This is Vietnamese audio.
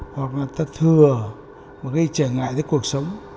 hoặc là ta thừa gây trở ngại với cuộc sống